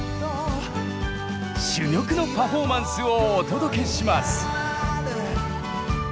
珠玉のパフォーマンスをお届けします。